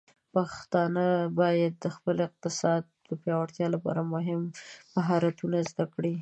پښتانه بايد د خپل اقتصاد د پیاوړتیا لپاره مهارتونه زده کړي.